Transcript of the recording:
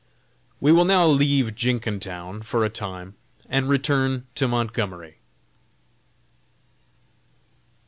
We will now leave Jenkintown for a time, and return to Montgomery.